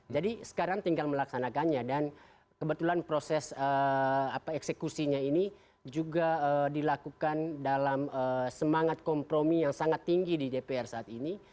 jadi sekarang tinggal melaksanakannya dan kebetulan proses eksekusinya ini juga dilakukan dalam semangat kompromi yang sangat tinggi di dpr saat ini